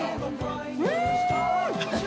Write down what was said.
うん！